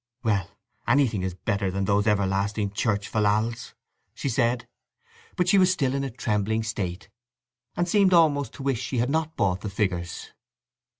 "Well, anything is better than those everlasting church fallals!" she said. But she was still in a trembling state, and seemed almost to wish she had not bought the figures.